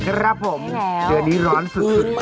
ครับผมเดี๋ยวนี้ร้อนสุด